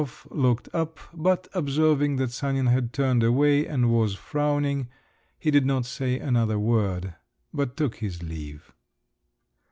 Dönhof looked up, but observing that Sanin had turned away and was frowning, he did not say another word, but took his leave.